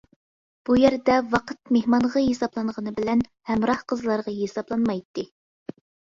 بۇ يەردە ۋاقىت مېھمانغا ھېسابلانغىنى بىلەن ھەمراھ قىزلارغا ھېسابلانمايتتى.